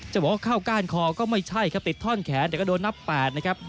จะบอกว่าเข้าก้านคอก็ไม่ใช่ครับติดท่อนแขนแต่ก็โดนนับ๘นะครับ